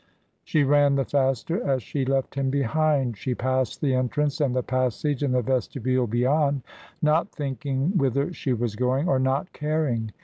She ran the faster as she left him behind. She passed the entrance and the passage and the vestibule beyond, not thinking whither she was going, or not caring.